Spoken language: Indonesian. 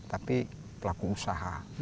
tapi pelaku usaha